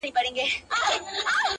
o د مؤمن زړه اينداره ده.